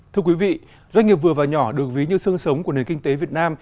thưa quý vị doanh nghiệp vừa và nhỏ được ví như sương sống của nền kinh tế việt nam